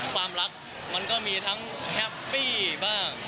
ความรักมันก็มีทั้งแฮปปี้บ้าง